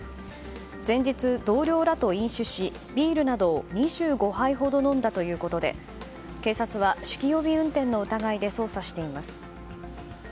前日、同僚らと飲酒しビールなどを２５杯ほど飲んだということで警察は酒気帯び運転の疑いで捜査しています。